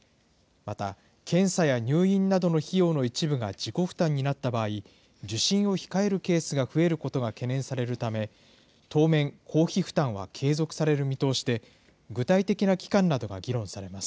また、検査や入院などの費用の一部が自己負担になった場合、受診を控えるケースが増えることが懸念されるため、当面、公費負担は継続される見通しで、具体的な期間などが議論されます。